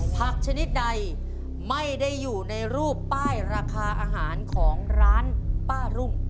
ชนิดใดไม่ได้อยู่ในรูปป้ายราคาอาหารของร้านป้ารุ่ง